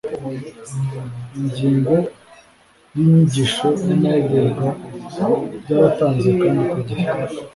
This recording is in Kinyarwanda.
ingingo yinyigisho namahugurwa byaratanzwe kandi kugihe